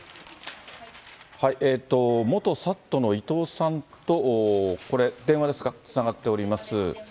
元ＳＡＴのいとうさんとこれ、電話ですか、つながっております。